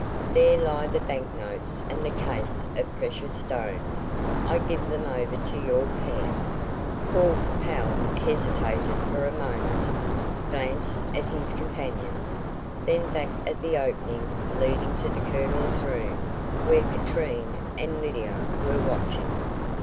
There lie the bank notes and the case of precious stones. I give them over to your care." Paul Capel hesitated for a moment, glanced at his companions, then back at the opening leading to the Colonel's room, where Katrine and Lydia were watching.